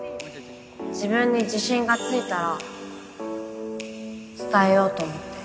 自分に自信がついたら伝えようと思って